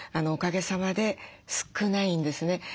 おかげさまで少ないんですね。